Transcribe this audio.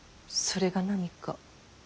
それが何か。